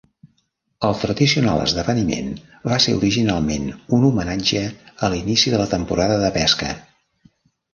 El tradicional esdeveniment va ser originalment un homenatge a l'inici de la temporada de pesca.